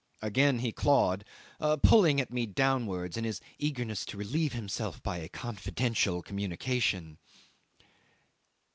Again he clawed, pulling at me downwards in his eagerness to relieve himself by a confidential communication.